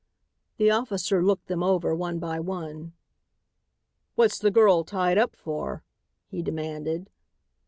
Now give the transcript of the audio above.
The officer looked them over one by one. "What's the girl tied up for?" he demanded.